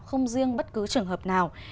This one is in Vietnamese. không riêng bất cứ trường hợp nào